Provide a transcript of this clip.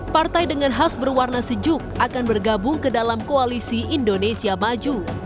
partai dengan khas berwarna sejuk akan bergabung ke dalam koalisi indonesia maju